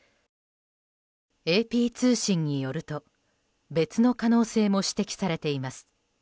ＡＰ通信によると別の可能性も指摘されています。